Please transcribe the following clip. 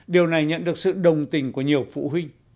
điều này nhận được sự đồng tình của nhiều phụ huynh